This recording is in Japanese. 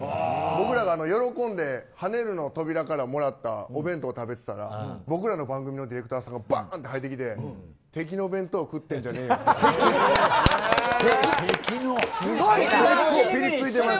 僕らが喜んで「はねるのトびら」からもらったお弁当を食べてたら僕らの番組のディレクターさんがバーンと入ってきて、敵の弁当食ってんじゃねえよって。